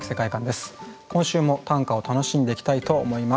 今週も短歌を楽しんでいきたいと思います。